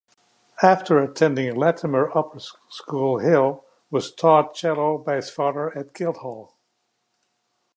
After attending Latymer Upper School Hill was taught cello by his father at Guildhall.